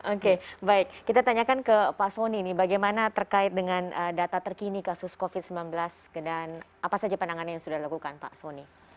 oke baik kita tanyakan ke pak soni ini bagaimana terkait dengan data terkini kasus covid sembilan belas dan apa saja penanganan yang sudah dilakukan pak soni